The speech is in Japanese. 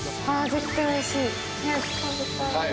絶対おいしい！